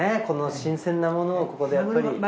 この新鮮なものをここでやっぱり。